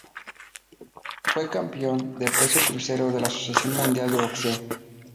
Fue campeón de peso crucero de la Asociación Mundial de Boxeo.